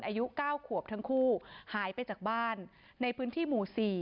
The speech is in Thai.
อายุ๙ขวบทั้งคู่หายไปจากบ้านในพื้นที่หมู่๔